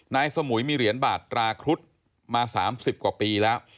สมุยมีเหรียญบาทตราครุฑมา๓๐กว่าปีแล้ว